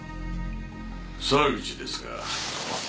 ・沢口ですが。